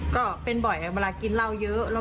ก็เป็นบ่อยเวลากินเหล้าเยอะ